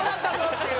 っていう